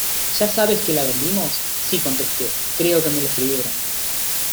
¿Ya sabes que la vendimos? sí contesté creo que me lo escribieron.